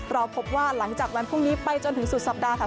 เราพบว่าหลังจากวันพรุ่งนี้ไปจนถึงสุดสัปดาห์ค่ะ